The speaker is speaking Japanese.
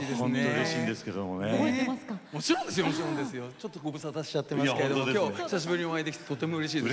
ちょっとご無沙汰しちゃってますけれども今日久しぶりにお会いできてとてもうれしいです。